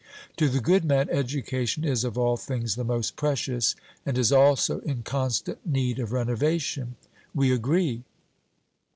To the good man, education is of all things the most precious, and is also in constant need of renovation. 'We agree.'